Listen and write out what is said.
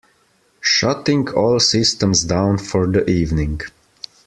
Shutting all systems down for the evening.